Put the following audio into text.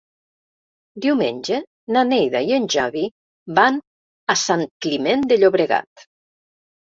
Diumenge na Neida i en Xavi van a Sant Climent de Llobregat.